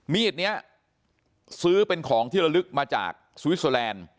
มีดนี้ซื้อเป็นของที่ระลึกมาจากสวิสเตอร์แลนด์